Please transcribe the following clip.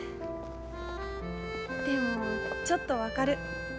でもちょっと分かる。